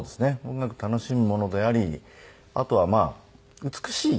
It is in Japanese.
音楽は楽しむものでありあとはまあ美しい。